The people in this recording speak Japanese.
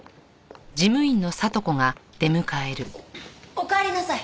おかえりなさい。